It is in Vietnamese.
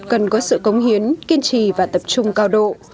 cần có sự cống hiến kiên trì và tập trung cao độ